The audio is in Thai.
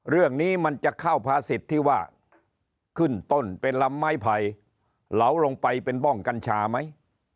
เรื่องนี้มันจะเข้าภาษิตที่ว่าขึ้นต้นเป็นลำไม้ไผ่เหลาลงไปเป็นบ้องกัญชาไหม